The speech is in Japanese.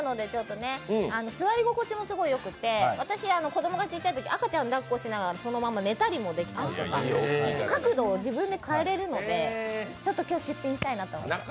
座り心地もすごくよくて、子供が小さいとき、赤ちゃんだっこしながらそのまま寝たりできたりとか角度を自分で変えられるので、今日出品したいなと思います。